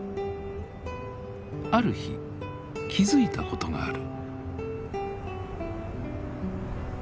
ある日気付いたことがある。